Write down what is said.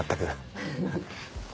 フフフッ。